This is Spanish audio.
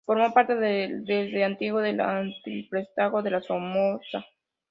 Formó parte, desde antiguo, del Arciprestazgo de la Somoza.